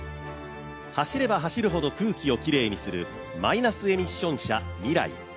走れば走るほど空気をきれいにするマイナスエミッション車ＭＩＲＡＩ